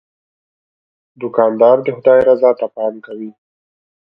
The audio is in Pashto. دوکاندار د خدای رضا ته پام کوي.